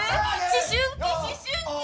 思春期思春期。